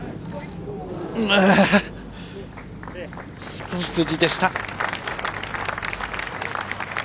一筋でした。